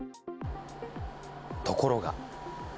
ところが。